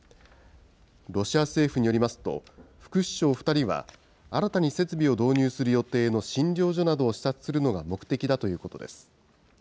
ロシア政府によりますと、副首相２人は、新たに設備を導入する予定の診療所などを視察するのが目的だということです。